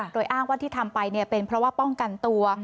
โดยอ้างว่าที่ทำไปเป็นเพราะว่าป้องกันตัว